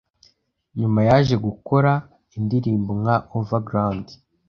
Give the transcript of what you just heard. Nyuma yaje gukora indirimbo nka ‘Over Ground